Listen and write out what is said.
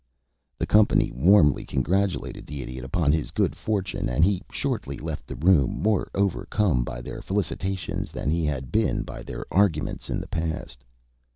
The company warmly congratulated the Idiot upon his good fortune, and he shortly left the room, more overcome by their felicitations than he had been by their arguments in the past.